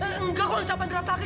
eh nggak kok harus siapain geratakin